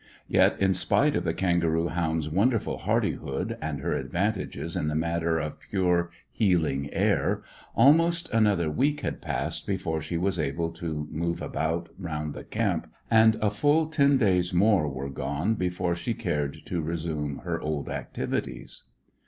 Yet, in spite of the kangaroo hound's wonderful hardihood and her advantages in the matter of pure, healing air, almost another week had passed before she was able to move about round the camp, and a full ten days more were gone before she cared to resume her old activities.